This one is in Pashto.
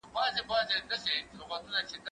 زه هره ورځ چپنه پاکوم!.